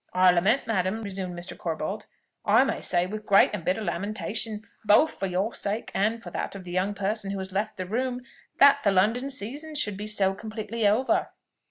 "I lament, madam," resumed Mr. Corbold, "I may say with great and bitter lamentation, both for your sake, and that of the young person who has left the room, that the London season should be so completely over."